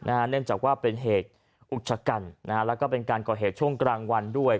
เนื่องจากว่าเป็นเหตุอุกชะกันแล้วก็เป็นการก่อเหตุช่วงกลางวันด้วย